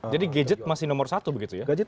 jadi gadget masih nomor satu begitu ya